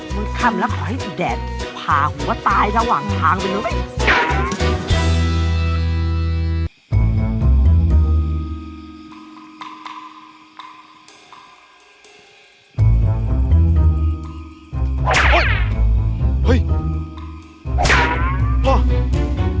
มืดค่ำแล้วขอให้ดแดดพาหัวก็ตายระหว่างทางไปเถอะเว้ย